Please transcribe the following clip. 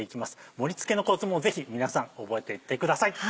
盛り付けのコツもぜひ皆さん覚えていってください。